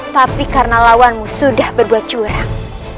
tapi karena lawanmu sudah berbuat curang